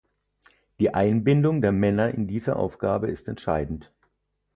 Die Einbindung der Männer in diese Aufgabe ist entscheidend.